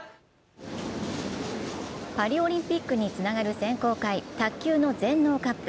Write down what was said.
パリオリンピックにつながる選考会、卓球の全農カップ。